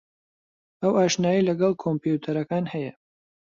ئەو ئاشنایی لەگەڵ کۆمپیوتەرەکان ھەیە.